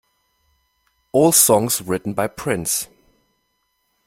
All songs written by Prince.